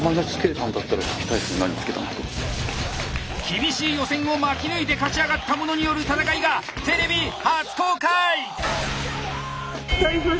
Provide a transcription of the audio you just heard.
厳しい予選を巻き抜いて勝ち上がった者による戦いがテレビ初公開！